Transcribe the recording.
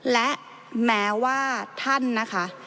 และแม้ว่าท่านนะคะ